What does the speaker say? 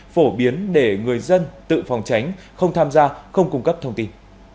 phổ biến để người dân tự phòng tránh không tham gia không cung cấp thông tin